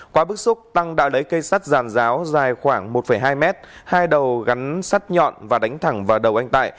qua bức xúc tăng đã lấy cây sắt ràn ráo dài khoảng một hai mét hai đầu gắn sắt nhọn và đánh thẳng vào đầu anh tài